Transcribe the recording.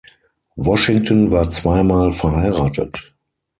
Washington war zwei Mal verheiratet.